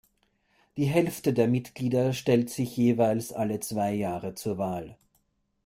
Die Hälfte der Mitglieder stellt sich jeweils alle zwei Jahre zur Wahl.